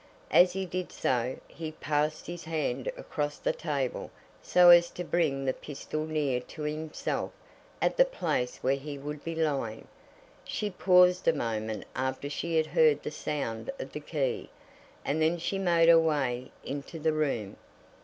As he did so, he passed his hand across the table so as to bring the pistol near to himself at the place where he would be lying. She paused a moment after she had heard the sound of the key, and then she made her way into the room.